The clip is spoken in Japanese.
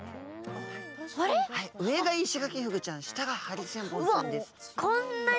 上がイシガキフグちゃん下がハリセンボンちゃんです。